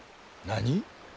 何？